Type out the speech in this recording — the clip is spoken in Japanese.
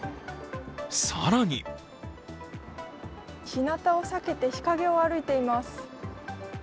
更に日なたを避けて日陰を歩いています。